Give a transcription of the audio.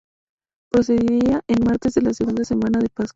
Procedía en martes de la segunda semana de Pascua.